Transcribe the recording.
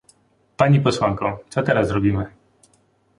Pani posłanko, co teraz robimy?